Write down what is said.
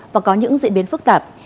và có những diễn biến phức tạp